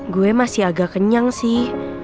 gue masih agak kenyang sih